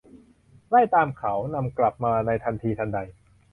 ไล่ตามเขา ; นำเขากลับมาในทันทีทันใด